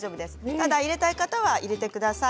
ただ入れたい方は入れてください。